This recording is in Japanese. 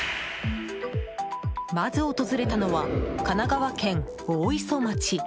まず訪れたのは神奈川県大磯町。